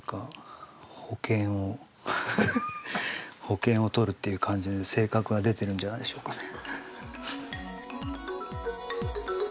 保険をとるっていう感じで性格が出てるんじゃないでしょうかね。